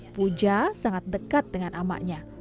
puja sangat dekat dengan amaknya